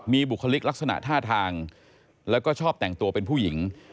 มีบุคลิกลักษณะท่าทางแล้วก็ชอบแต่งตัวเป็นผู้หญิง